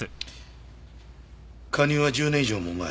加入は１０年以上も前。